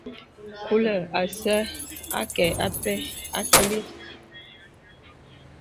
Kùlə̀ asə̄ akɛ̂ apɛ akìlì.